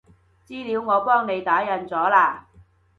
資料我幫你打印咗喇